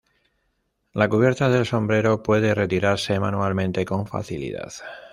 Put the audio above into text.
La cubierta del sombrero puede retirarse manualmente con facilidad.